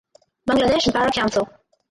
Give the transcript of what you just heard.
Bangladesh Bar Council